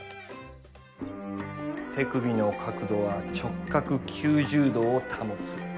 手首の角度は直角９０°を保つ。